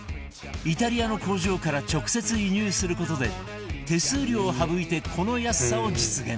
イタリアの工場から直接輸入する事で手数料を省いてこの安さを実現